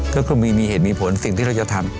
ก็คือมีเหตุมีผลสิ่งที่เราจะทำ